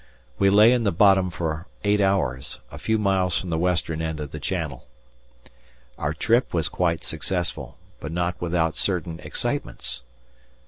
We lay in the bottom for eight hours, a few miles from the western end of the channel. Our trip was quite successful, but not without certain excitements.